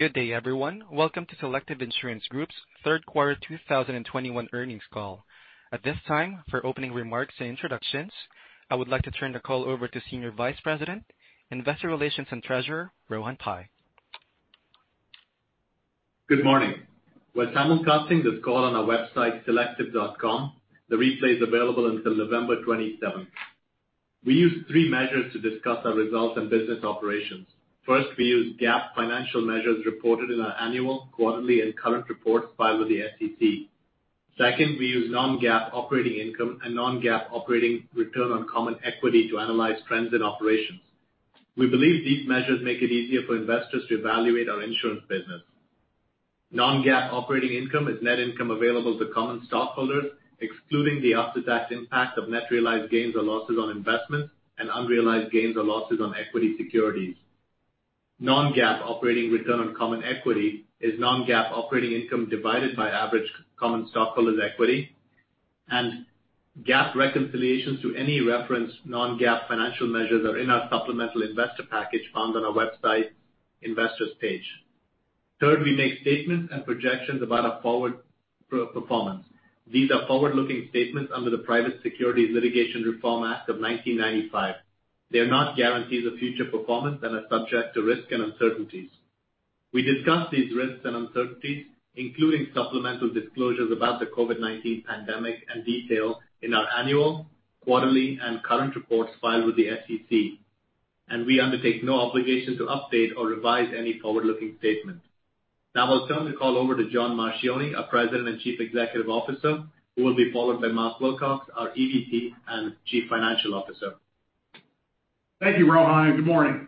Good day, everyone. Welcome to Selective Insurance Group's third quarter 2021 earnings call. At this time, for opening remarks and introductions, I would like to turn the call over to Senior Vice President, Investor Relations and Treasurer, Rohan Pai. Good morning. We're simulcasting this call on our website, selective.com. The replay is available until November 27th. We use three measures to discuss our results and business operations. First, we use GAAP financial measures reported in our annual, quarterly, and current reports filed with the SEC. Second, we use non-GAAP operating income and non-GAAP operating return on common equity to analyze trends in operations. We believe these measures make it easier for investors to evaluate our insurance business. Non-GAAP operating income is net income available to common stockholders, excluding the after-tax impact of net realized gains or losses on investments and unrealized gains or losses on equity securities. Non-GAAP operating return on common equity is non-GAAP operating income divided by average common stockholders' equity. GAAP reconciliations to any referenced non-GAAP financial measures are in our supplemental investor package found on our website's Investors page. Third, we make statements and projections about our forward performance. These are forward-looking statements under the Private Securities Litigation Reform Act of 1995. They are not guarantees of future performance and are subject to risk and uncertainties. We discuss these risks and uncertainties, including supplemental disclosures about the COVID-19 pandemic in detail in our annual, quarterly, and current reports filed with the SEC, and we undertake no obligation to update or revise any forward-looking statements. Now I'll turn the call over to John Marchioni, our President and Chief Executive Officer, who will be followed by Mark Wilcox, our EVP and Chief Financial Officer. Thank you, Rohan, and good morning.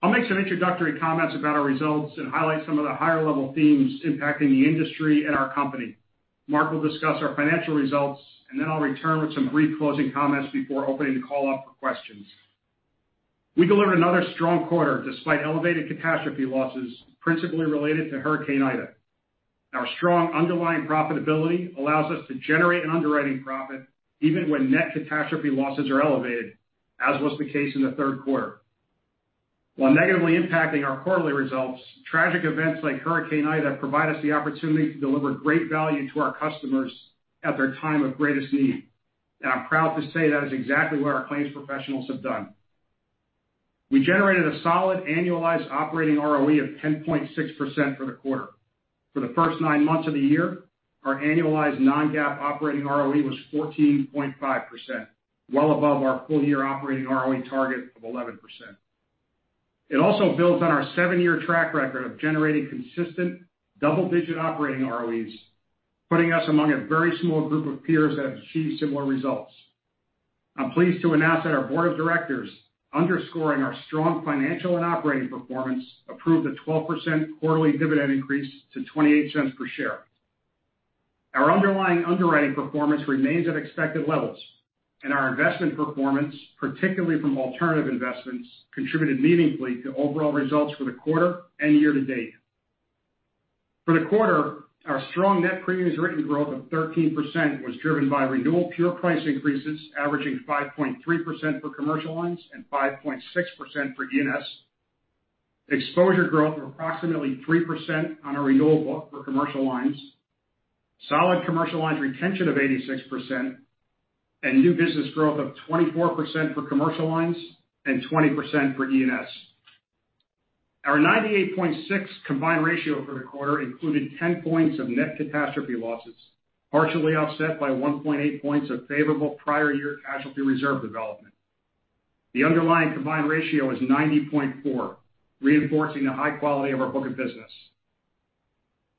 I'll make some introductory comments about our results and highlight some of the higher-level themes impacting the industry and our company. Mark will discuss our financial results, then I'll return with some brief closing comments before opening the call up for questions. We delivered another strong quarter despite elevated catastrophe losses, principally related to Hurricane Ida. Our strong underlying profitability allows us to generate an underwriting profit even when net catastrophe losses are elevated, as was the case in the third quarter. While negatively impacting our quarterly results, tragic events like Hurricane Ida provide us the opportunity to deliver great value to our customers at their time of greatest need. I'm proud to say that is exactly what our claims professionals have done. We generated a solid annualized operating ROE of 10.6% for the quarter. For the first nine months of the year, our annualized non-GAAP operating ROE was 14.5%, well above our full-year operating ROE target of 11%. It also builds on our seven-year track record of generating consistent double-digit operating ROEs, putting us among a very small group of peers that have achieved similar results. I'm pleased to announce that our board of directors, underscoring our strong financial and operating performance, approved a 12% quarterly dividend increase to $0.28 per share. Our underlying underwriting performance remains at expected levels, and our investment performance, particularly from alternative investments, contributed meaningfully to overall results for the quarter and year to date. For the quarter, our strong net premiums written growth of 13% was driven by renewal pure price increases averaging 5.3% for commercial lines and 5.6% for E&S. Exposure growth of approximately 3% on our renewal book for commercial lines, solid commercial lines retention of 86%, and new business growth of 24% for commercial lines and 20% for E&S. Our 98.6 combined ratio for the quarter included 10 points of net catastrophe losses, partially offset by 1.8 points of favorable prior year casualty reserve development. The underlying combined ratio was 90.4, reinforcing the high quality of our book of business.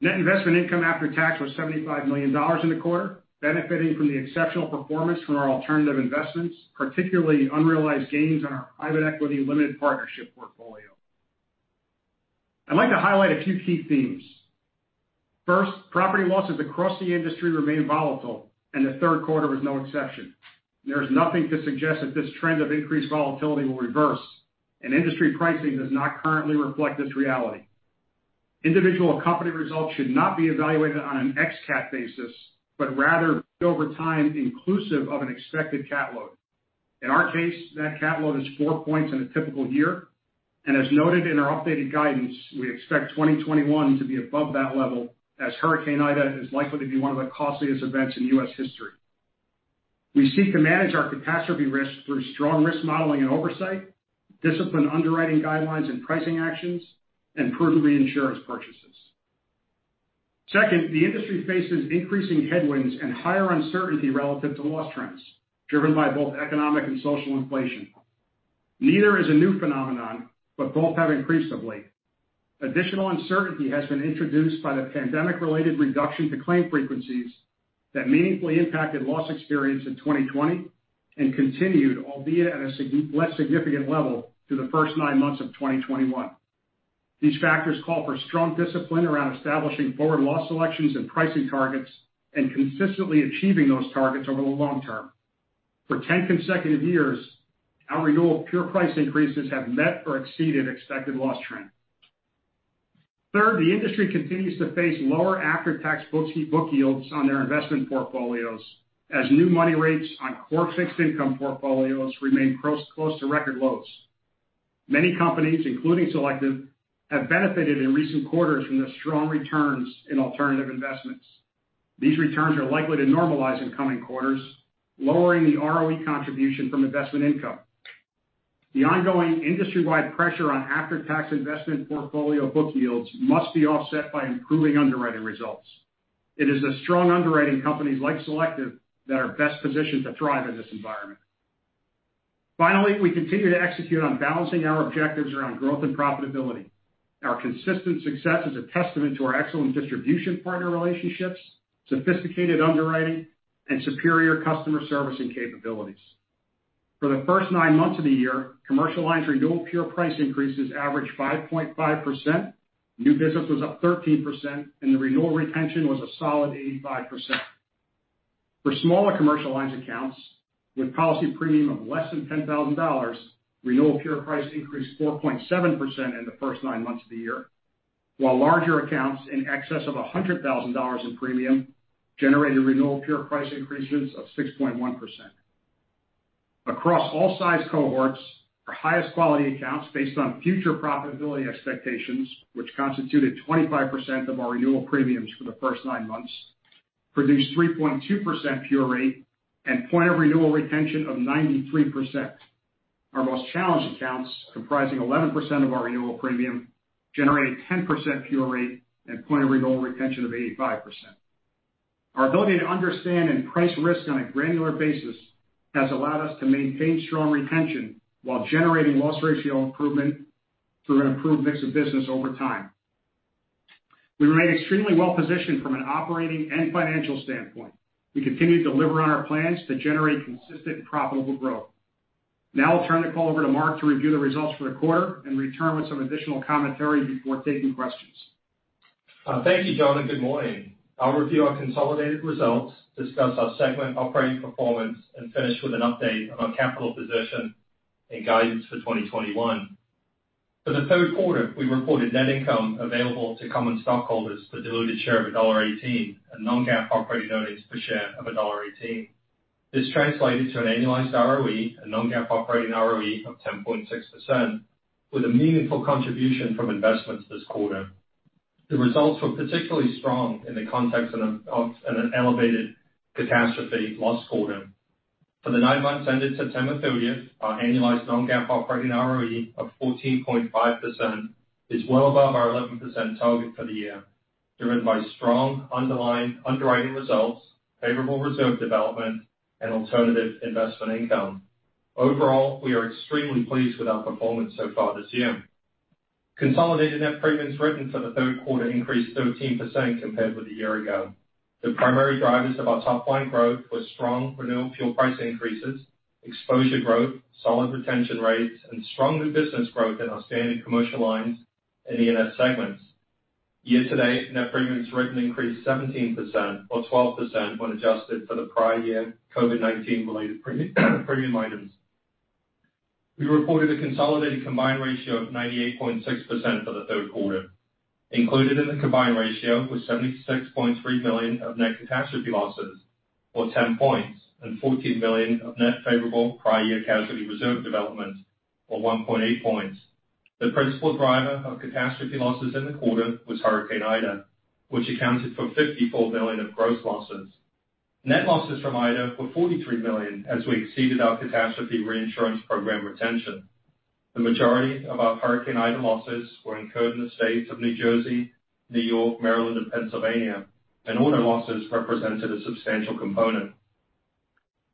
Net investment income after tax was $75 million in the quarter, benefiting from the exceptional performance from our alternative investments, particularly unrealized gains on our private equity limited partnership portfolio. I'd like to highlight a few key themes. First, property losses across the industry remain volatile, and the third quarter was no exception. There is nothing to suggest that this trend of increased volatility will reverse, and industry pricing does not currently reflect this reality. Individual company results should not be evaluated on an ex-cat basis, rather over time, inclusive of an expected cat load. In our case, that cat load is four points in a typical year. As noted in our updated guidance, we expect 2021 to be above that level as Hurricane Ida is likely to be one of the costliest events in U.S. history. We seek to manage our catastrophe risk through strong risk modeling and oversight, disciplined underwriting guidelines and pricing actions, and prudent reinsurance purchases. Second, the industry faces increasing headwinds and higher uncertainty relative to loss trends, driven by both economic and social inflation. Neither is a new phenomenon, both have increased of late. Additional uncertainty has been introduced by the pandemic-related reduction to claim frequencies that meaningfully impacted loss experience in 2020 and continued, albeit at a less significant level, through the first nine months of 2021. These factors call for strong discipline around establishing forward loss selections and pricing targets and consistently achieving those targets over the long term. For 10 consecutive years, our renewal pure price increases have met or exceeded expected loss trends. Third, the industry continues to face lower after-tax book yields on their investment portfolios as new money rates on core fixed income portfolios remain close to record lows. Many companies, including Selective, have benefited in recent quarters from the strong returns in alternative investments. These returns are likely to normalize in coming quarters, lowering the ROE contribution from investment income. The ongoing industry-wide pressure on after-tax investment portfolio book yields must be offset by improving underwriting results. It is the strong underwriting companies like Selective that are best positioned to thrive in this environment. Finally, we continue to execute on balancing our objectives around growth and profitability. Our consistent success is a testament to our excellent distribution partner relationships, sophisticated underwriting, and superior customer servicing capabilities. For the first nine months of the year, commercial lines renewal pure price increases averaged 5.5%, new business was up 13%, and the renewal retention was a solid 85%. For smaller commercial lines accounts, with policy premium of less than $10,000, renewal pure price increased 4.7% in the first nine months of the year, while larger accounts in excess of $100,000 in premium generated renewal pure price increases of 6.1%. Across all size cohorts for highest quality accounts based on future profitability expectations, which constituted 25% of our renewal premiums for the first nine months, produced 3.2% pure rate and point of renewal retention of 93%. Our most challenged accounts, comprising 11% of our renewal premium, generated 10% pure rate and point of renewal retention of 85%. Our ability to understand and price risk on a granular basis has allowed us to maintain strong retention while generating loss ratio improvement through an improved mix of business over time. We remain extremely well-positioned from an operating and financial standpoint. We continue to deliver on our plans to generate consistent and profitable growth. I'll turn the call over to Mark to review the results for the quarter and return with some additional commentary before taking questions. Thank you, John, and good morning. I'll review our consolidated results, discuss our segment operating performance, and finish with an update on our capital position and guidance for 2021. For the third quarter, we reported net income available to common stockholders for diluted share of $1.18, and non-GAAP operating earnings per share of $1.18. This translated to an annualized ROE and non-GAAP operating ROE of 10.6% with a meaningful contribution from investments this quarter. The results were particularly strong in the context of an elevated catastrophe loss quarter. For the nine months ended September 30th, our annualized non-GAAP operating ROE of 14.5% is well above our 11% target for the year, driven by strong underlying underwriting results, favorable reserve development, and alternative investment income. Overall, we are extremely pleased with our performance so far this year. Consolidated net premiums written for the third quarter increased 13% compared with a year ago. The primary drivers of our top line growth were strong renewal pure price increases, exposure growth, solid retention rates, and strong new business growth in our standard commercial lines and E&S segments. Year to date, net premiums written increased 17%, or 12% when adjusted for the prior year COVID-19 related premium items. We reported a consolidated combined ratio of 98.6% for the third quarter. Included in the combined ratio was $76.3 million of net catastrophe losses, or 10 points, and $14 million of net favorable prior year casualty reserve development, or 1.8 points. The principal driver of catastrophe losses in the quarter was Hurricane Ida, which accounted for $54 million of gross losses. Net losses from Ida were $43 million, as we exceeded our catastrophe reinsurance program retention. The majority of our Hurricane Ida losses were incurred in the states of New Jersey, New York, Maryland, and Pennsylvania, and auto losses represented a substantial component.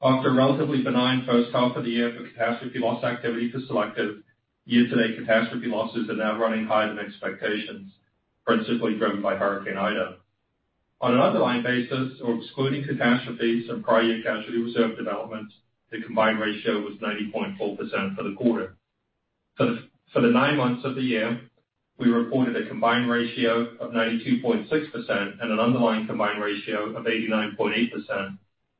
After a relatively benign first half of the year for catastrophe loss activity for Selective, year-to-date catastrophe losses are now running higher than expectations, principally driven by Hurricane Ida. On an underlying basis or excluding catastrophes and prior year casualty reserve development, the combined ratio was 90.4% for the quarter. For the nine months of the year, we reported a combined ratio of 92.6% and an underlying combined ratio of 89.8%.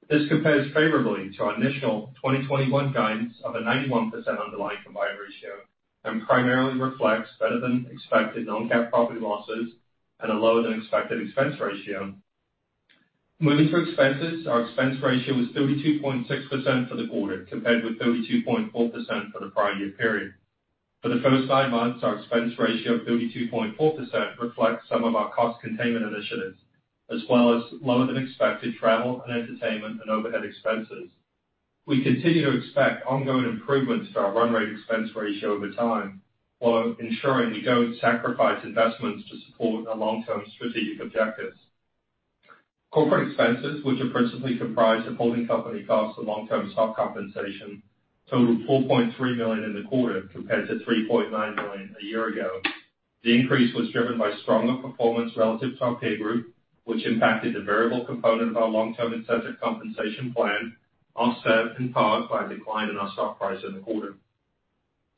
This compares favorably to our initial 2021 guidance of a 91% underlying combined ratio and primarily reflects better than expected non-GAAP property losses and a lower than expected expense ratio. Moving to expenses, our expense ratio was 32.6% for the quarter, compared with 32.4% for the prior year period. For the first nine months, our expense ratio of 32.4% reflects some of our cost containment initiatives, as well as lower than expected travel and entertainment and overhead expenses. We continue to expect ongoing improvements to our run rate expense ratio over time, while ensuring we don't sacrifice investments to support our long-term strategic objectives. Corporate expenses, which are principally comprised of holding company costs and long-term stock compensation, totaled $4.3 million in the quarter compared to $3.9 million a year ago. The increase was driven by stronger performance relative to our peer group, which impacted the variable component of our long-term incentive compensation plan, offset in part by a decline in our stock price in the quarter.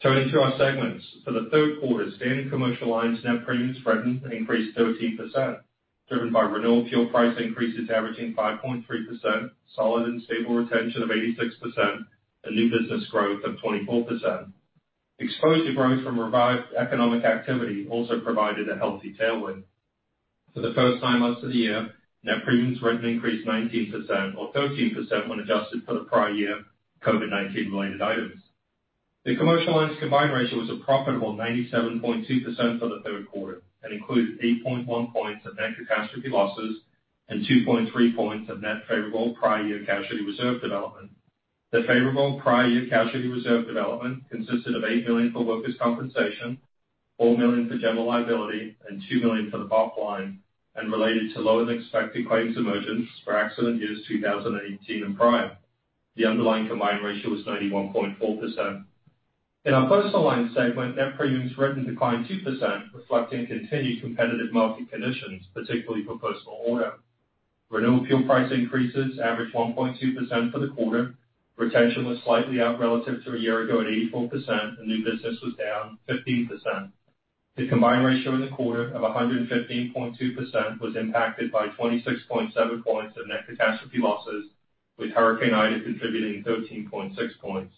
Turning to our segments. For the third quarter, standard commercial lines net premiums written increased 13%, driven by renewal pure price increases averaging 5.3%, solid and stable retention of 86%, and new business growth of 24%. Exposure growth from revived economic activity also provided a healthy tailwind. For the first nine months of the year, net premiums written increased 19%, or 13% when adjusted for the prior year COVID-19 related items. The commercial lines combined ratio was a profitable 97.2% for the third quarter and included 8.1 points of net catastrophe losses and 2.3 points of net favorable prior year casualty reserve development. The favorable prior year casualty reserve development consisted of $8 million for workers' compensation, $4 million for general liability, and $2 million for the bottom line, and related to lower-than-expected claims emergence for accident years 2018 and prior. The underlying combined ratio was 91.4%. In our Personal Lines segment, net premiums written declined 2%, reflecting continued competitive market conditions, particularly for personal auto. Renewal pure price increases averaged 1.2% for the quarter. Retention was slightly up relative to a year ago at 84%, and new business was down 15%. The combined ratio in the quarter of 115.2% was impacted by 26.7 points of net catastrophe losses, with Hurricane Ida contributing 13.6 points.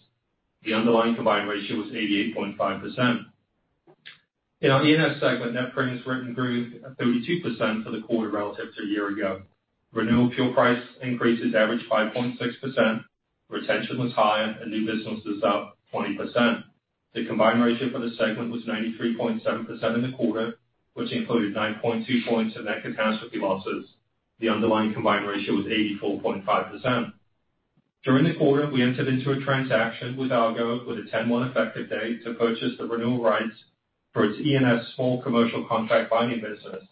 The underlying combined ratio was 88.5%. In our E&S segment, net premiums written grew at 32% for the quarter relative to a year ago. Renewal pure price increases averaged 5.6%, retention was higher and new business was up 20%. The combined ratio for the segment was 93.7% in the quarter, which included 9.2 points of net catastrophe losses. The underlying combined ratio was 84.5%. During the quarter, we entered into a transaction with Argo Group with a 10-1 effective date to purchase the renewal rights for its E&S small commercial contract binding business.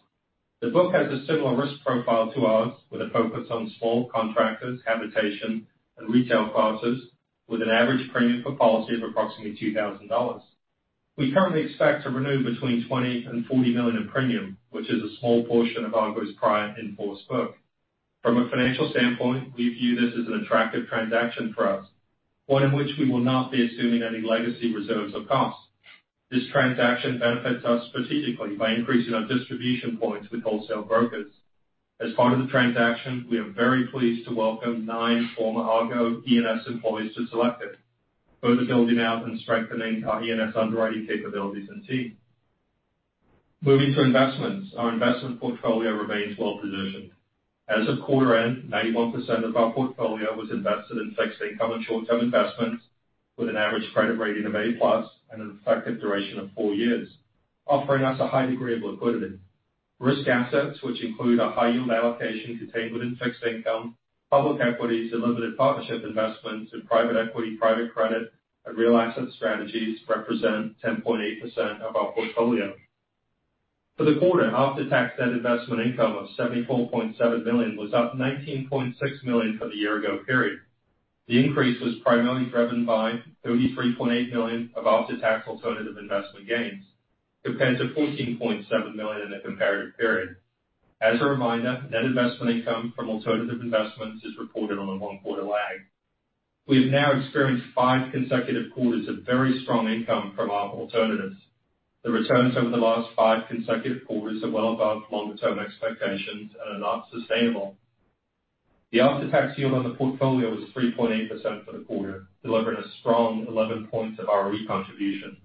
The book has a similar risk profile to ours, with a focus on small contractors, habitation, and retail classes, with an average premium per policy of approximately $2,000. We currently expect to renew between $20 million and $40 million in premium, which is a small portion of Argo Group's prior in-force book. From a financial standpoint, we view this as an attractive transaction for us, one in which we will not be assuming any legacy reserves or costs. This transaction benefits us strategically by increasing our distribution points with wholesale brokers. As part of the transaction, we are very pleased to welcome nine former Argo Group E&S employees to Selective Insurance Group, further building out and strengthening our E&S underwriting capabilities and team. Moving to investments. Our investment portfolio remains well-positioned. As of quarter end, 91% of our portfolio was invested in fixed income and short-term investments with an average credit rating of A+ and an effective duration of four years, offering us a high degree of liquidity. Risk assets, which include our high yield allocation contained within fixed income, public equities, and limited partnership investments in private equity, private credit, and real asset strategies represent 10.8% of our portfolio. For the quarter, after-tax net investment income of $74.7 million was up $19.6 million from the year ago period. The increase was primarily driven by $33.8 million of after-tax alternative investment gains, compared to $14.7 million in the comparative period. As a reminder, net investment income from alternative investments is reported on a one-quarter lag. We have now experienced five consecutive quarters of very strong income from our alternatives. The returns over the last five consecutive quarters are well above longer-term expectations and are not sustainable. The after-tax yield on the portfolio was 3.8% for the quarter, delivering a strong 11 points of ROE contribution,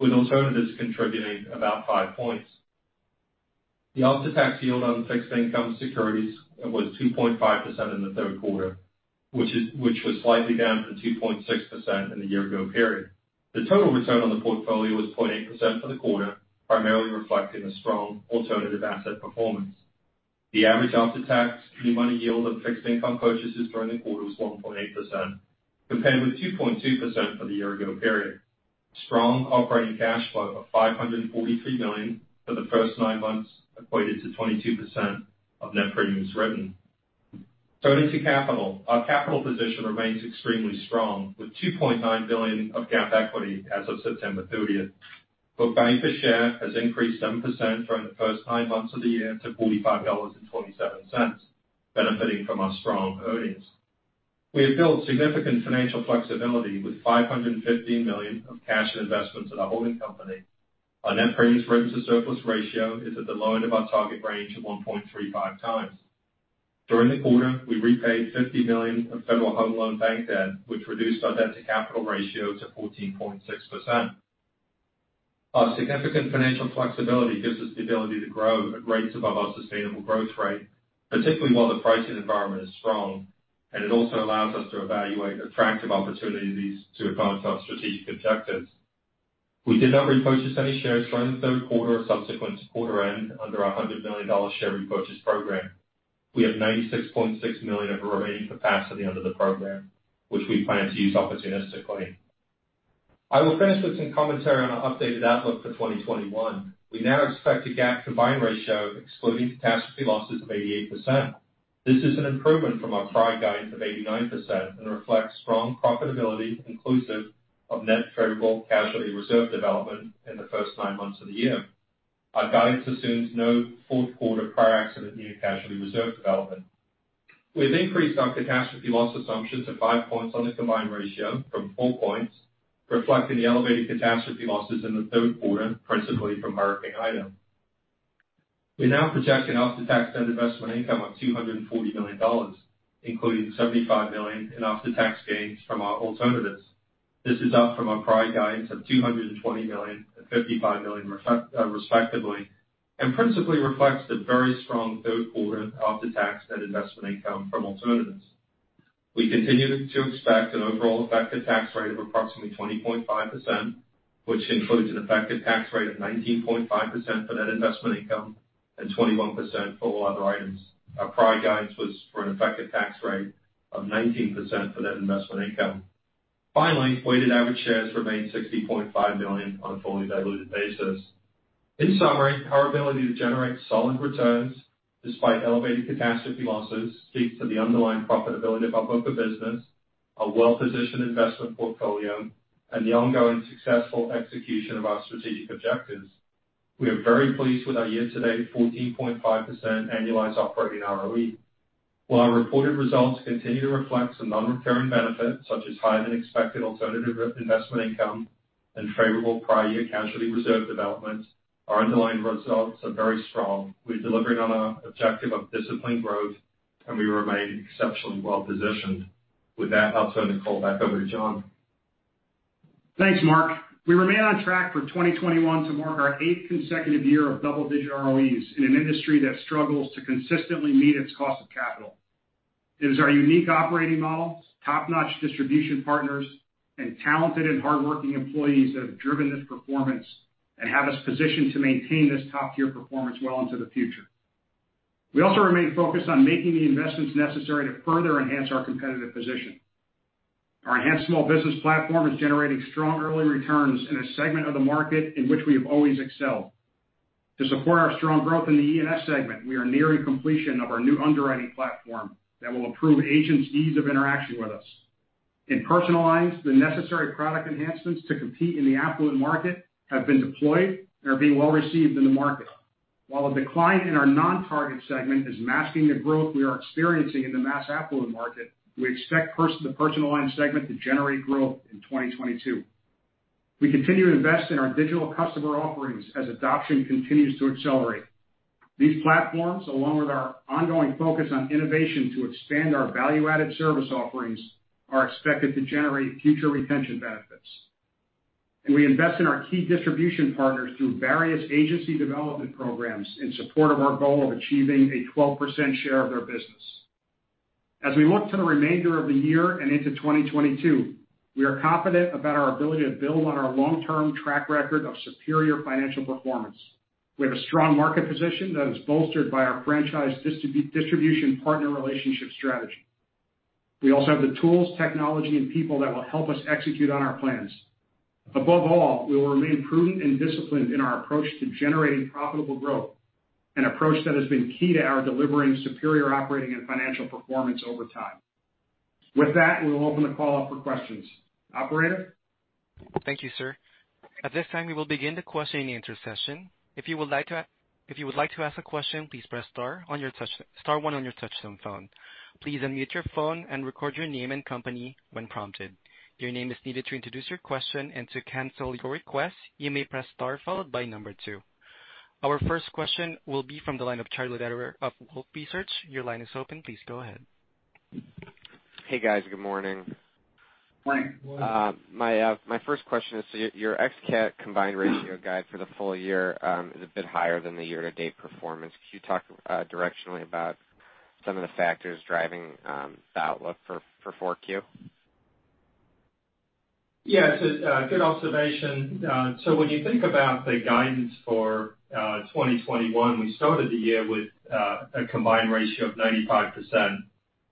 with alternatives contributing about five points. The after-tax yield on fixed income securities was 2.5% in the third quarter, which was slightly down from 2.6% in the year ago period. The total return on the portfolio was 0.8% for the quarter, primarily reflecting the strong alternative asset performance. The average after-tax new money yield on fixed income purchases during the quarter was 1.8%, compared with 2.2% for the year ago period. Strong operating cash flow of $543 million for the first nine months equated to 22% of net premiums written. Turning to capital. Our capital position remains extremely strong, with $2.9 billion of GAAP equity as of September 30th. Book value per share has increased 7% from the first nine months of the year to $45.27, benefiting from our strong earnings. We have built significant financial flexibility with $515 million of cash and investments in our holding company. Our net premiums written to surplus ratio is at the low end of our target range of 1.35 times. During the quarter, we repaid $50 million of Federal Home Loan Bank debt, which reduced our debt to capital ratio to 14.6%. Our significant financial flexibility gives us the ability to grow at rates above our sustainable growth rate, particularly while the pricing environment is strong, and it also allows us to evaluate attractive opportunities to advance our strategic objectives. We did not repurchase any shares during the third quarter or subsequent to quarter end under our $100 million share repurchase program. We have $96.6 million of remaining capacity under the program, which we plan to use opportunistically. I will finish with some commentary on our updated outlook for 2021. We now expect a GAAP combined ratio excluding catastrophe losses of 88%. This is an improvement from our prior guidance of 89% and reflects strong profitability inclusive of net favorable casualty reserve development in the first nine months of the year. Our guidance assumes no fourth quarter prior accident year casualty reserve development. We've increased our catastrophe loss assumption to five points on the combined ratio from four points, reflecting the elevated catastrophe losses in the third quarter, principally from Hurricane Ida. We now project an after-tax net investment income of $240 million, including $75 million in after-tax gains from our alternatives. This is up from our prior guidance of $220 million and $55 million, respectively, and principally reflects the very strong third quarter after-tax net investment income from alternatives. We continue to expect an overall effective tax rate of approximately 20.5%, which includes an effective tax rate of 19.5% for net investment income and 21% for all other items. Our prior guidance was for an effective tax rate of 19% for net investment income. Finally, weighted average shares remain 60.5 million on a fully diluted basis. In summary, our ability to generate solid returns despite elevated catastrophe losses speaks to the underlying profitability of our book of business, our well-positioned investment portfolio, and the ongoing successful execution of our strategic objectives. We are very pleased with our year-to-date 14.5% annualized operating ROE. While our reported results continue to reflect some non-recurring benefits such as higher-than-expected alternative investment income and favorable prior year casualty reserve development, our underlying results are very strong. We're delivering on our objective of disciplined growth, and we remain exceptionally well-positioned. With that, I'll turn the call back over to John. Thanks, Mark. We remain on track for 2021 to mark our eighth consecutive year of double-digit ROEs in an industry that struggles to consistently meet its cost of capital. It is our unique operating model, top-notch distribution partners, and talented and hardworking employees that have driven this performance and have us positioned to maintain this top-tier performance well into the future. We also remain focused on making the investments necessary to further enhance our competitive position. Our enhanced small business platform is generating strong early returns in a segment of the market in which we have always excelled. To support our strong growth in the E&S segment, we are nearing completion of our new underwriting platform that will improve agents' ease of interaction with us. In Personal Lines, the necessary product enhancements to compete in the affluent market have been deployed and are being well received in the market. While a decline in our non-target segment is masking the growth we are experiencing in the mass affluent market, we expect the Personal Lines segment to generate growth in 2022. We continue to invest in our digital customer offerings as adoption continues to accelerate. These platforms, along with our ongoing focus on innovation to expand our value-added service offerings, are expected to generate future retention benefits. We invest in our key distribution partners through various agency development programs in support of our goal of achieving a 12% share of their business. As we look to the remainder of the year and into 2022, we are confident about our ability to build on our long-term track record of superior financial performance. We have a strong market position that is bolstered by our franchise distribution partner relationship strategy. We also have the tools, technology, and people that will help us execute on our plans. Above all, we will remain prudent and disciplined in our approach to generating profitable growth, an approach that has been key to our delivering superior operating and financial performance over time. With that, we will open the call up for questions. Operator? Thank you, sir. At this time, we will begin the question and answer session. If you would like to ask a question, please press star one on your touchtone phone. Please unmute your phone and record your name and company when prompted. Your name is needed to introduce your question. To cancel your request, you may press star followed by number two. Our first question will be from the line of Charlie Lederer of Wolfe Research. Your line is open. Please go ahead. Hey, guys. Good morning. Morning. Morning. My first question is, your ex-cat combined ratio guide for the full year is a bit higher than the year-to-date performance. Can you talk directionally about some of the factors driving the outlook for 4Q? Yes, good observation. When you think about the guidance for 2021, we started the year with a combined ratio of 95%,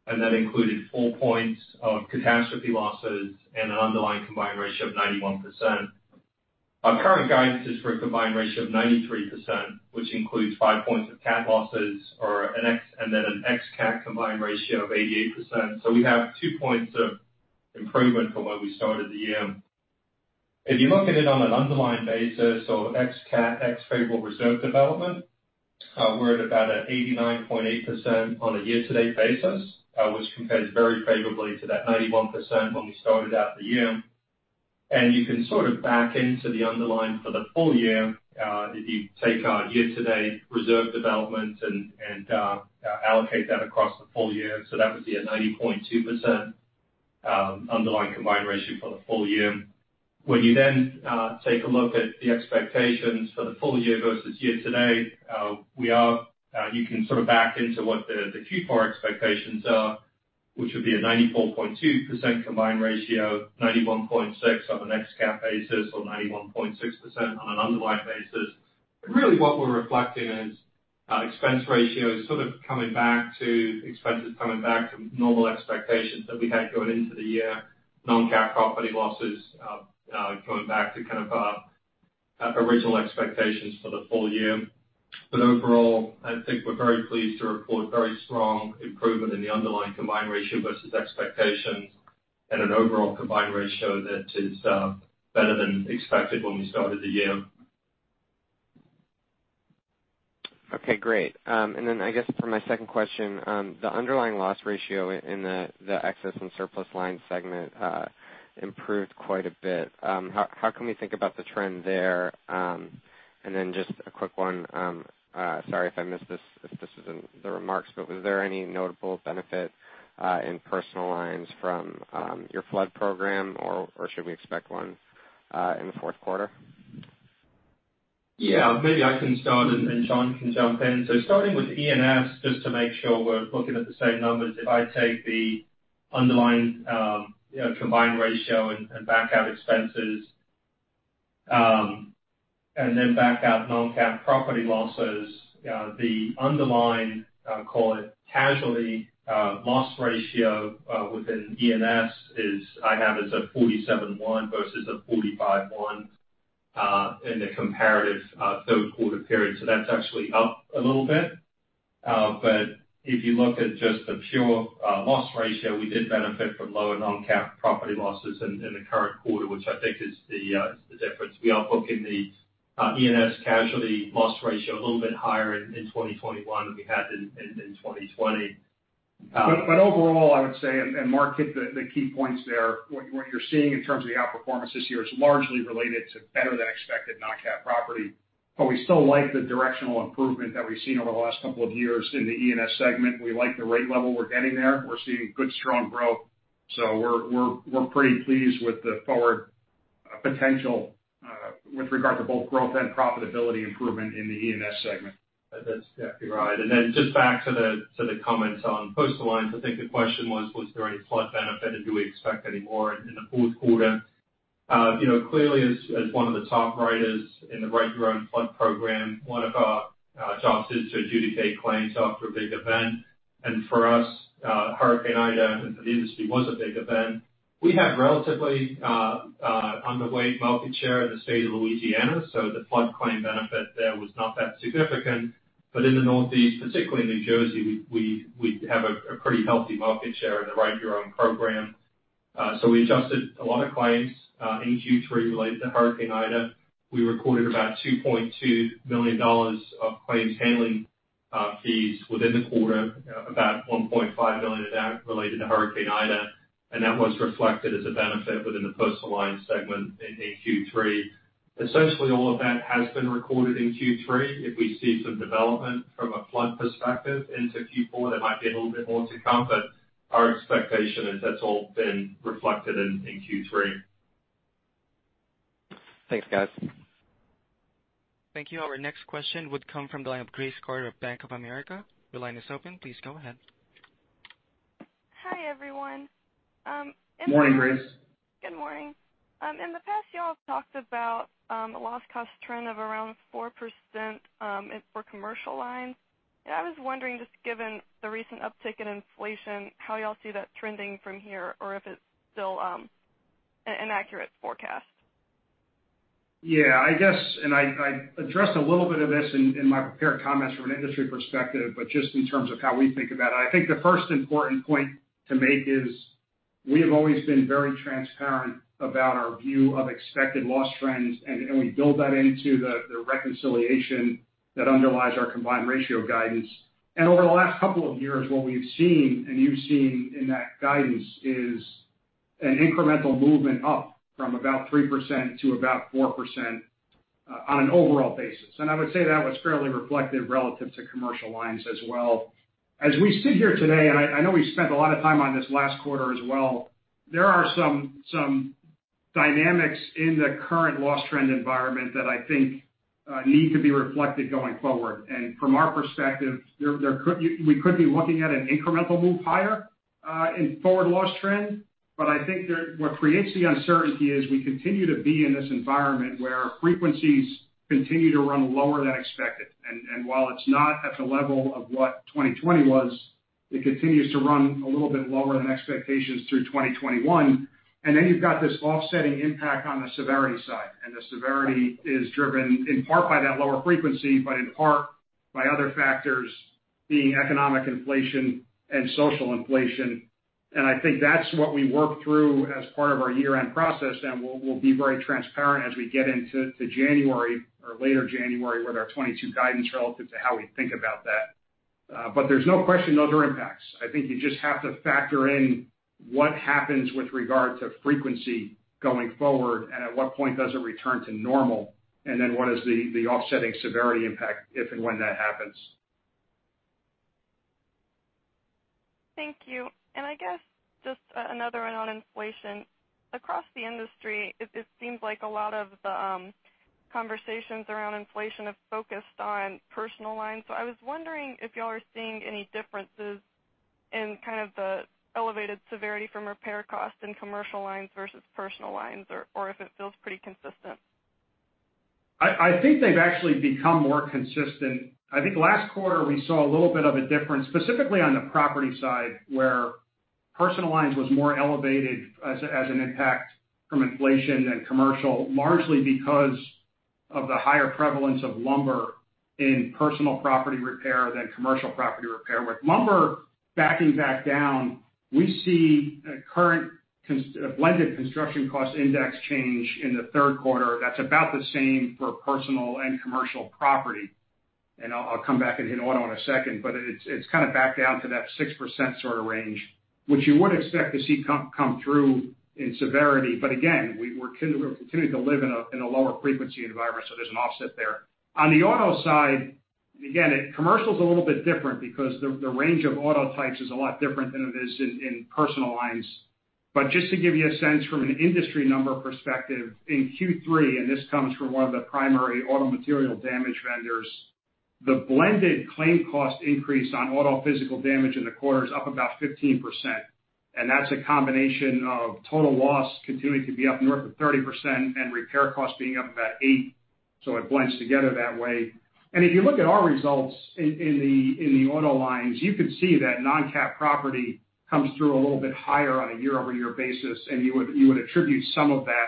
and that included 4 points of catastrophe losses and an underlying combined ratio of 91%. Our current guidance is for a combined ratio of 93%, which includes 5 points of cat losses, and then an ex-cat combined ratio of 88%. We have 2 points of improvement from where we started the year. If you look at it on an underlying basis, ex-cat, ex-favorable reserve development, we're at about 89.8% on a year-to-date basis, which compares very favorably to that 91% when we started out the year. You can sort of back into the underlying for the full year, if you take our year-to-date reserve development and allocate that across the full year. That would be a 90.2% underlying combined ratio for the full year. When you take a look at the expectations for the full year versus year-to-date, you can sort of back into what the Q4 expectations are, which would be a 94.2% combined ratio, 91.6% on an ex-cat basis, or 91.6% on an underlying basis. Really what we're reflecting is expense ratio is sort of coming back to expenses coming back to normal expectations that we had going into the year, non-cat property losses going back to kind of original expectations for the full year. Overall, I think we're very pleased to report very strong improvement in the underlying combined ratio versus expectations and an overall combined ratio that is better than expected when we started the year. Okay, great. I guess for my second question, the underlying loss ratio in the Excess & Surplus line segment improved quite a bit. How can we think about the trend there? Just a quick one, sorry if I missed this, if this is in the remarks, but was there any notable benefit in Personal Lines from your Flood program, or should we expect one in the fourth quarter? Maybe I can start and John can jump in. Starting with E&S, just to make sure we're looking at the same numbers. If I take the underlying combined ratio and back out expenses, then back out non-cat property losses, the underlying, call it casualty loss ratio within E&S is, I have as a 47.1% versus a 45.1% in the comparative 3Q period. That's actually up a little bit. If you look at just the pure loss ratio, we did benefit from lower non-cat property losses in the current quarter, which I think is the difference. We are booking the E&S casualty loss ratio a little bit higher in 2021 than we had in 2020. Overall, I would say, and Mark hit the key points there. What you're seeing in terms of the outperformance this year is largely related to better than expected non-cat property. We still like the directional improvement that we've seen over the last couple of years in the E&S segment. We like the rate level we're getting there. We're seeing good, strong growth. We're pretty pleased with the forward potential with regard to both growth and profitability improvement in the E&S segment. That's definitely right. Then just back to the comments on Personal Lines. I think the question was: Was there any flood benefit, and do we expect any more in the 4Q? Clearly, as one of the top writers in the Write Your Own Flood program, one of our jobs is to adjudicate claims after a big event. For us, Hurricane Ida, and for the industry, was a big event. We have relatively underweight market share in the state of Louisiana, the flood claim benefit there was not that significant. In the Northeast, particularly New Jersey, we have a pretty healthy market share in the Write Your Own program. We adjusted a lot of claims in Q3 related to Hurricane Ida. We recorded about $2.2 million of claims handling fees within the quarter, about $1.5 million of that related to Hurricane Ida, and that was reflected as a benefit within the Personal Lines segment in Q3. Essentially, all of that has been recorded in Q3. If we see some development from a flood perspective into Q4, there might be a little bit more to come, our expectation is that's all been reflected in Q3. Thanks, guys. Thank you. Our next question would come from the line of Grace Carter of Bank of America. Your line is open. Please go ahead. Hi, everyone. Morning, Grace. Good morning. In the past, you all have talked about a loss cost trend of around 4% for commercial lines. I was wondering, just given the recent uptick in inflation, how you all see that trending from here or if it's still an accurate forecast. I addressed a little bit of this in my prepared comments from an industry perspective, but just in terms of how we think about it. I think the first important point to make is we have always been very transparent about our view of expected loss trends, and we build that into the reconciliation that underlies our combined ratio guidance. Over the last couple of years, what we've seen and you've seen in that guidance is an incremental movement up from about 3% to about 4% on an overall basis. I would say that was fairly reflective relative to commercial lines as well. As we sit here today, and I know we spent a lot of time on this last quarter as well, there are some dynamics in the current loss trend environment that I think need to be reflected going forward. From our perspective, we could be looking at an incremental move higher in forward loss trend. I think that what creates the uncertainty is we continue to be in this environment where frequencies continue to run lower than expected. While it's not at the level of what 2020 was, it continues to run a little bit lower than expectations through 2021. Then you've got this offsetting impact on the severity side, and the severity is driven in part by that lower frequency, but in part by other factors being economic inflation and social inflation. I think that's what we work through as part of our year-end process, and we'll be very transparent as we get into January or later January with our 2022 guidance relative to how we think about that. There's no question those are impacts. I think you just have to factor in what happens with regard to frequency going forward and at what point does it return to normal, and then what is the offsetting severity impact if and when that happens. Thank you. I guess just another one on inflation. Across the industry, it seems like a lot of the conversations around inflation have focused on Personal Lines. I was wondering if you all are seeing any differences in kind of the elevated severity from repair costs in Commercial Lines versus Personal Lines, or if it feels pretty consistent. I think they've actually become more consistent. I think last quarter we saw a little bit of a difference, specifically on the property side, where Personal Lines was more elevated as an impact from inflation than commercial, largely because of the higher prevalence of lumber in personal property repair than commercial property repair. With lumber backing back down, we see a current blended construction cost index change in the third quarter that's about the same for personal and commercial property. I'll come back and hit auto in a second, it's kind of back down to that 6% sort of range, which you would expect to see come through in severity. Again, we're continuing to live in a lower frequency environment, there's an offset there. On the auto side, again, commercial's a little bit different because the range of auto types is a lot different than it is in Personal Lines. Just to give you a sense from an industry number perspective, in Q3, this comes from one of the primary auto material damage vendors, the blended claim cost increase on auto physical damage in the quarter is up about 15%, that's a combination of total loss continuing to be up north of 30% and repair costs being up about eight, it blends together that way. If you look at our results in the auto lines, you can see that non-cat property comes through a little bit higher on a year-over-year basis, you would attribute some of that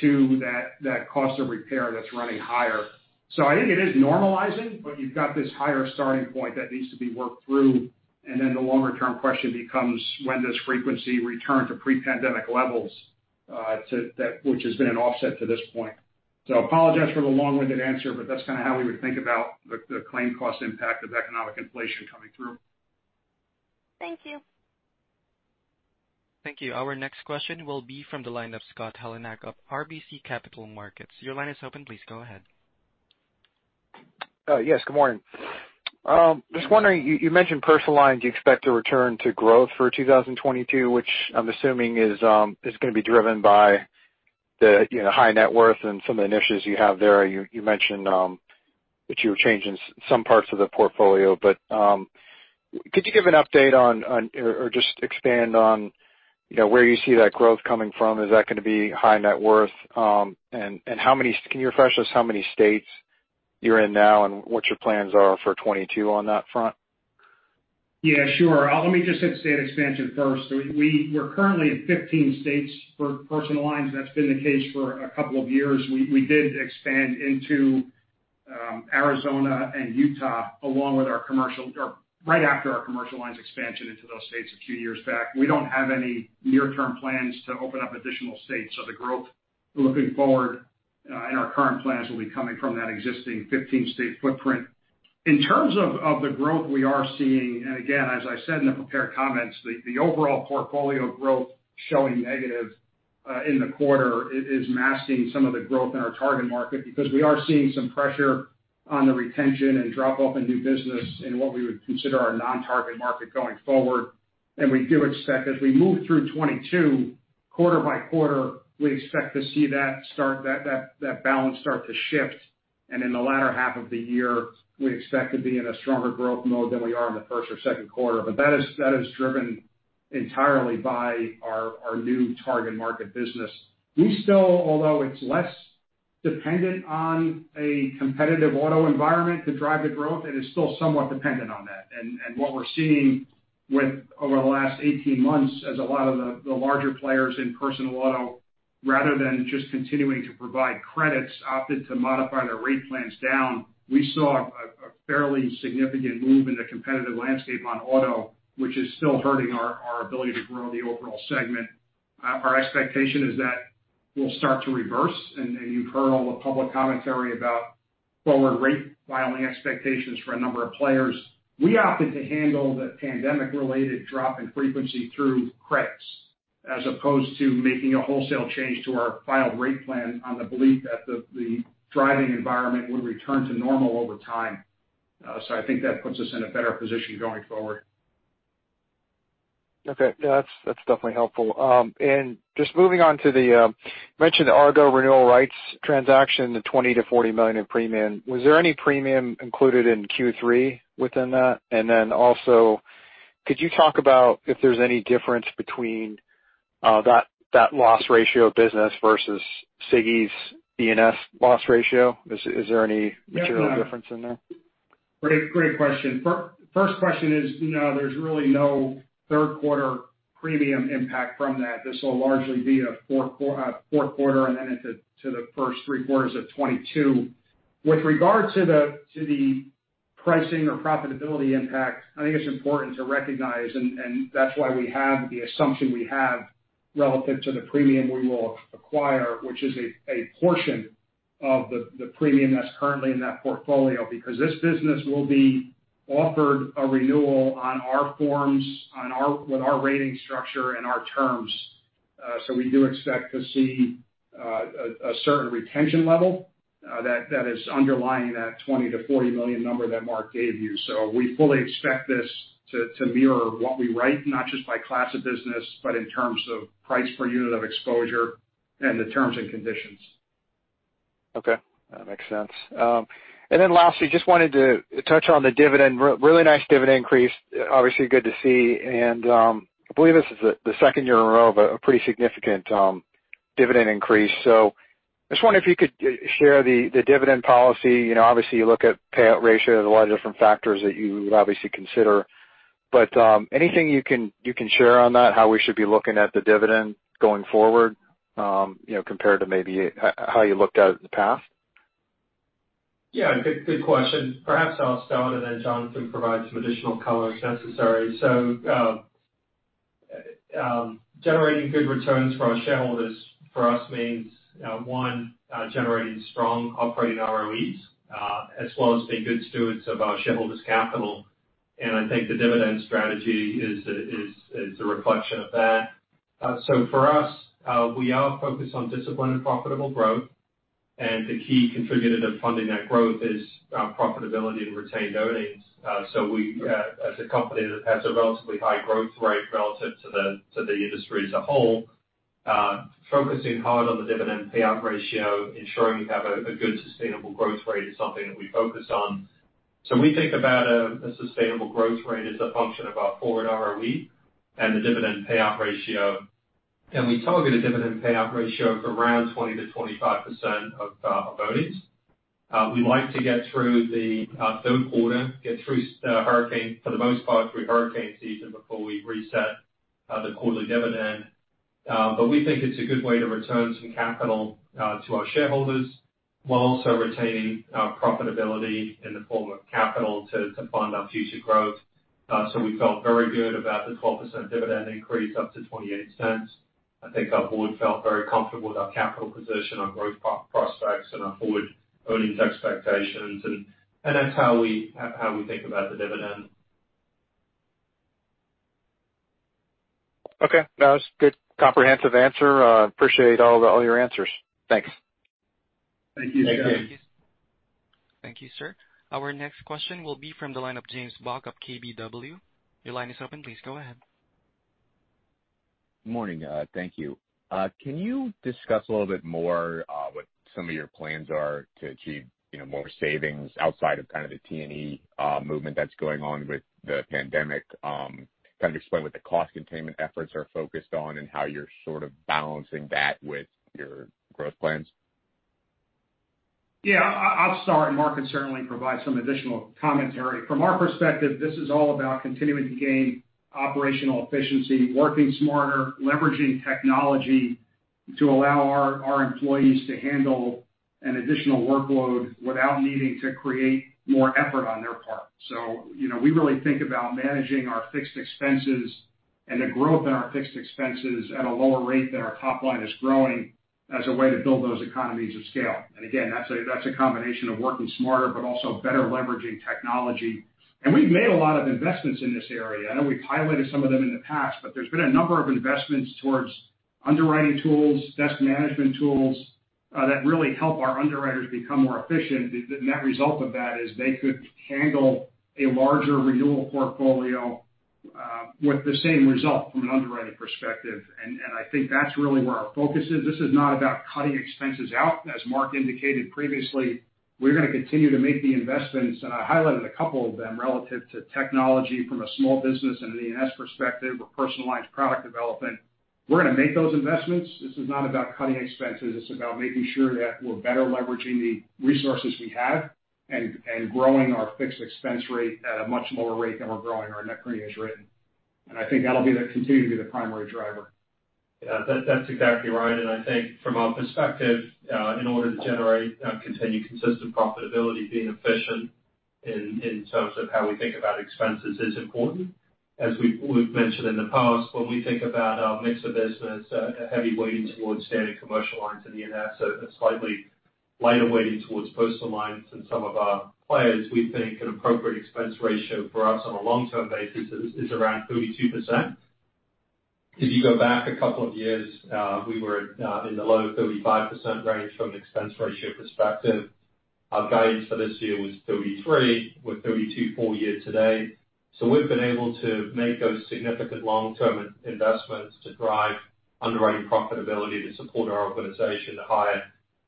to that cost of repair that's running higher. I think it is normalizing, you've got this higher starting point that needs to be worked through, then the longer-term question becomes when does frequency return to pre-pandemic levels which has been an offset to this point. Apologize for the long-winded answer, that's kind of how we would think about the claim cost impact of economic inflation coming through. Thank you. Thank you. Our next question will be from the line of Scott Heleniak of RBC Capital Markets. Your line is open. Please go ahead. Yes, good morning. Just wondering, you mentioned personal lines you expect to return to growth for 2022, which I'm assuming is going to be driven by the high net worth and some of the initiatives you have there. Could you give an update on or just expand on where you see that growth coming from? Is that going to be high net worth? Can you refresh us how many states you're in now and what your plans are for 2022 on that front? Yeah, sure. Let me just hit state expansion first. We're currently in 15 states for personal lines. That's been the case for a couple of years. We did expand into Arizona and Utah right after our commercial lines expansion into those states a few years back. We don't have any near-term plans to open up additional states. The growth looking forward in our current plans will be coming from that existing 15-state footprint. In terms of the growth we are seeing, and again, as I said in the prepared comments, the overall portfolio growth showing negative in the quarter is masking some of the growth in our target market because we are seeing some pressure on the retention and drop-off in new business in what we would consider our non-target market going forward. We do expect as we move through 2022, quarter by quarter, we expect to see that balance start to shift. In the latter half of the year, we expect to be in a stronger growth mode than we are in the first or second quarter. That is driven entirely by our new target market business. We still, although it's less dependent on a competitive auto environment to drive the growth, it is still somewhat dependent on that. What we're seeing over the last 18 months as a lot of the larger players in personal auto, rather than just continuing to provide credits, opted to modify their rate plans down. We saw a fairly significant move in the competitive landscape on auto, which is still hurting our ability to grow the overall segment. Our expectation is that we'll start to reverse, you've heard all the public commentary about forward rate filing expectations for a number of players. We opted to handle the pandemic-related drop in frequency through credits as opposed to making a wholesale change to our filed rate plan on the belief that the driving environment would return to normal over time. I think that puts us in a better position going forward. Okay. That's definitely helpful. Just moving on to the, you mentioned the Argo renewal rights transaction, the $20 million-$40 million in premium. Was there any premium included in Q3 within that? Then also, could you talk about if there's any difference between that loss ratio of business versus SIGI's E&S loss ratio? Is there any material difference in there? Great question. First question is, no, there's really no third quarter premium impact from that. This will largely be a fourth quarter and then into the first three quarters of 2022. With regard to the pricing or profitability impact, I think it's important to recognize, that's why we have the assumption we have relative to the premium we will acquire, which is a portion of the premium that's currently in that portfolio. This business will be offered a renewal on our forms with our rating structure and our terms. We do expect to see a certain retention level that is underlying that $20 million-$40 million number that Mark gave you. We fully expect this to mirror what we write, not just by class of business, but in terms of price per unit of exposure and the terms and conditions. Okay. That makes sense. Lastly, just wanted to touch on the dividend. Really nice dividend increase, obviously good to see, and I believe this is the second year in a row of a pretty significant dividend increase. Just wonder if you could share the dividend policy. Obviously, you look at payout ratio. There is a lot of different factors that you would obviously consider. Anything you can share on that? How we should be looking at the dividend going forward compared to maybe how you looked at it in the past? Yeah, good question. Perhaps I will start and then Jonathan provide some additional color if necessary. Generating good returns for our shareholders for us means, one, generating strong operating ROEs, as well as being good stewards of our shareholders' capital. I think the dividend strategy is a reflection of that. For us, we are focused on disciplined and profitable growth. The key contributor to funding that growth is our profitability in retained earnings. As a company that has a relatively high growth rate relative to the industry as a whole, focusing hard on the dividend payout ratio, ensuring we have a good sustainable growth rate is something that we focus on. We think about a sustainable growth rate as a function of our forward ROE and the dividend payout ratio, and we target a dividend payout ratio of around 20%-25% of our earnings. We like to get through the third quarter, for the most part, through hurricane season before we reset the quarterly dividend. We think it is a good way to return some capital to our shareholders while also retaining our profitability in the form of capital to fund our future growth. We felt very good about the 12% dividend increase up to $0.28. I think our board felt very comfortable with our capital position, our growth prospects, and our forward earnings expectations, and that is how we think about the dividend. Okay. That was a good comprehensive answer. Appreciate all your answers. Thanks. Thank you, James. Thank you. Thank you, sir. Our next question will be from the line of James Bach of KBW. Your line is open. Please go ahead. Morning. Thank you. Can you discuss a little bit more what some of your plans are to achieve more savings outside of kind of the T&E movement that's going on with the pandemic? Kind of explain what the cost containment efforts are focused on and how you're sort of balancing that with your growth plans. Yeah, I'll start. Mark can certainly provide some additional commentary. From our perspective, this is all about continuing to gain operational efficiency, working smarter, leveraging technology to allow our employees to handle an additional workload without needing to create more effort on their part. We really think about managing our fixed expenses and the growth in our fixed expenses at a lower rate than our top line is growing as a way to build those economies of scale. Again, that's a combination of working smarter, but also better leveraging technology. We've made a lot of investments in this area. I know we've highlighted some of them in the past, but there's been a number of investments towards underwriting tools, desk management tools, that really help our underwriters become more efficient. The net result of that is they could handle a larger renewal portfolio with the same result from an underwriting perspective. I think that's really where our focus is. This is not about cutting expenses out. As Mark indicated previously, we're going to continue to make the investments, and I highlighted a couple of them relative to technology from a small business and an E&S perspective or personalized product development. We're going to make those investments. This is not about cutting expenses. It's about making sure that we're better leveraging the resources we have and growing our fixed expense rate at a much lower rate than we're growing our net premiums written. I think that'll continue to be the primary driver. Yeah, that's exactly right. I think from our perspective, in order to generate continued consistent profitability, being efficient in terms of how we think about expenses is important. As we've mentioned in the past, when we think about our mix of business, a heavy weighting towards standard commercial lines in E&S, a slightly lighter weighting towards Personal Lines and some of our players, we think an appropriate expense ratio for us on a long-term basis is around 32%. If you go back a couple of years, we were in the low 35% range from an expense ratio perspective. Our guidance for this year was 33%, we're 32.4% year to date. We've been able to make those significant long-term investments to drive underwriting profitability to support our organization to hire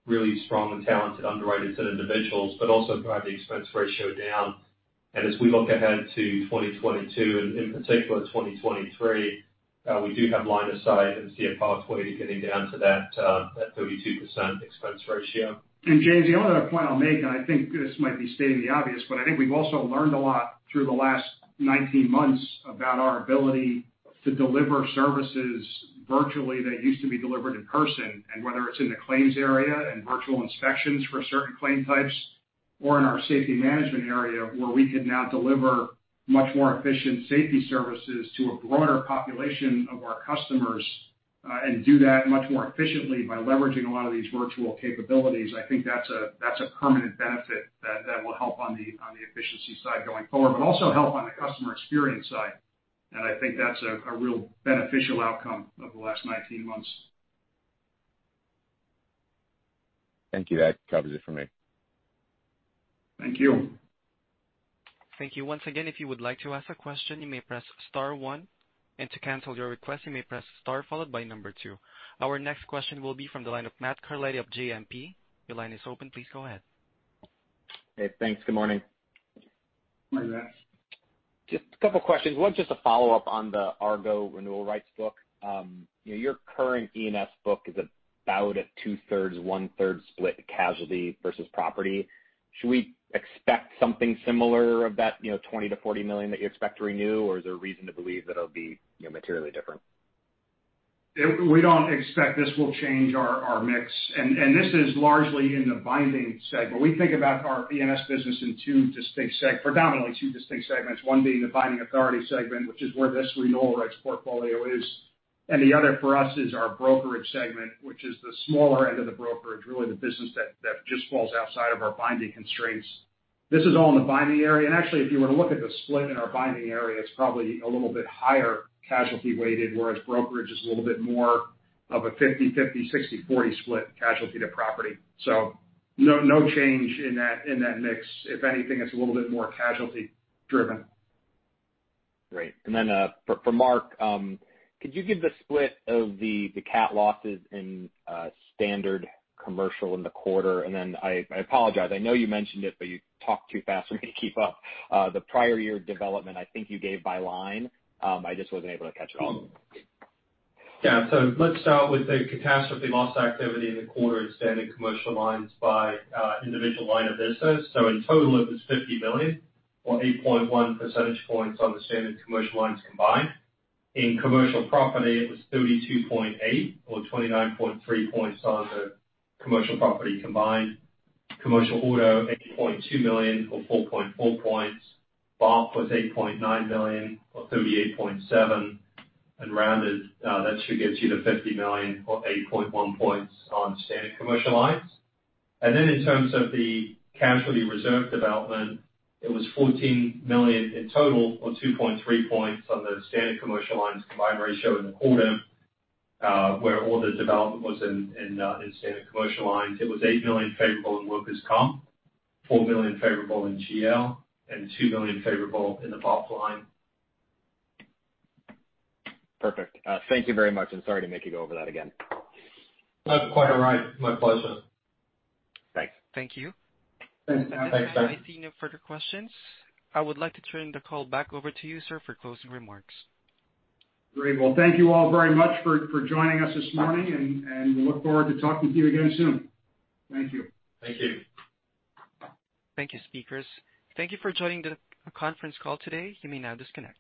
really strong and talented underwriters and individuals, but also drive the expense ratio down. As we look ahead to 2022 and in particular 2023, we do have line of sight and see a pathway to getting down to that 32% expense ratio. James, the only other point I'll make, and I think this might be stating the obvious, but I think we've also learned a lot through the last 19 months about our ability to deliver services virtually that used to be delivered in person. Whether it's in the claims area and virtual inspections for certain claim types or in our safety management area, where we can now deliver much more efficient safety services to a broader population of our customers and do that much more efficiently by leveraging a lot of these virtual capabilities. I think that's a permanent benefit that will help on the efficiency side going forward, but also help on the customer experience side. I think that's a real beneficial outcome of the last 19 months. Thank you. That covers it for me. Thank you. Thank you. Once again, if you would like to ask a question, you may press star one, and to cancel your request, you may press star followed by number two. Our next question will be from the line of Matt Carletti of JMP. Your line is open. Please go ahead. Hey, thanks. Good morning. Morning, Matt. Just a couple of questions. One, just a follow-up on the Argo renewal rights book. Your current E&S book is about a two-thirds, one-third split casualty versus property. Should we expect something similar of that $20 million-$40 million that you expect to renew? Or is there a reason to believe that it'll be materially different? We don't expect this will change our mix. This is largely in the binding segment. We think about our E&S business in two distinct, predominantly two distinct segments. One being the binding authority segment, which is where this renewal rights portfolio is, and the other for us is our brokerage segment, which is the smaller end of the brokerage, really the business that just falls outside of our binding constraints. This is all in the binding area. Actually, if you were to look at the split in our binding area, it's probably a little bit higher casualty-weighted, whereas brokerage is a little bit more of a 50/50, 60/40 split, casualty to property. No change in that mix. If anything, it's a little bit more casualty-driven. Great. Then for Mark, could you give the split of the cat losses in standard commercial in the quarter? Then, I apologize, I know you mentioned it, but you talked too fast for me to keep up. The prior year development, I think you gave by line. I just wasn't able to catch it all. Let's start with the catastrophe loss activity in the quarter in standard commercial lines by individual line of business. In total, it was $50 million or 8.1 percentage points on the standard commercial lines combined. In commercial property, it was 32.8 or 29.3 points on the commercial property combined. Commercial auto, $8.2 million or 4.4 points. BOP was $8.9 million or 38.7, and rounded, that should get you to $50 million or 8.1 points on standard commercial lines. Then in terms of the casualty reserve development, it was $14 million in total or 2.3 points on the standard commercial lines combined ratio in the quarter, where all the development was in standard commercial lines. It was $8 million favorable in workers' compensation, $4 million favorable in GL, and $2 million favorable in the BOP line. Perfect. Thank you very much, sorry to make you go over that again. Oh, quite all right. My pleasure. Thanks. Thank you. Thanks, sir. I see no further questions. I would like to turn the call back over to you, sir, for closing remarks. Great. Well, thank you all very much for joining us this morning, and we look forward to talking to you again soon. Thank you. Thank you. Thank you, speakers. Thank you for joining the conference call today. You may now disconnect.